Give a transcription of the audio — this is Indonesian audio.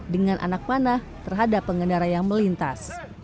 dengan anak panah terhadap pengendara yang melintas